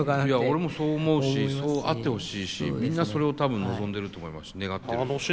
俺もそう思うしそうあってほしいしみんなそれを多分望んでると思いますし願ってるし。